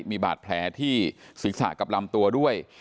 มีบาดแผลที่ศีรษะกับลำตัวด้วย